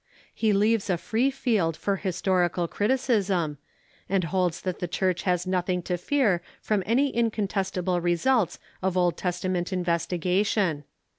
He leaves a free field for historical criticism, and holds that the Church has nothing to fear from any incontestable results of Old Testament investiga tion.